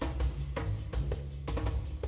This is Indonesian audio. semoga hari ini berjalan baik